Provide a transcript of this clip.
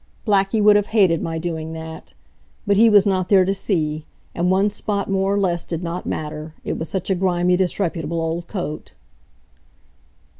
Blackie would have hated my doing that. But he was not there to see, and one spot more or less did not matter; it was such a grimy, disreputable old coat.